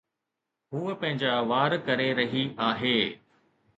هوءَ پنهنجا وار ڪري رهي آهي